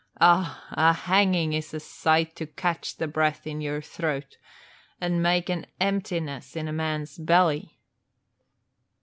Ah, a hanging is a sight to catch the breath in your throat and make an emptiness in a man's belly!"